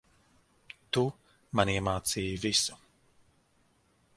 Tu, man iemācīji visu.